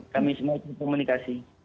kami semua komunikasi